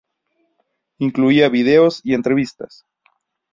Incluía vídeos y entrevistas.